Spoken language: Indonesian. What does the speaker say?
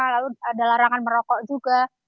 lalu ada larangan merokok juga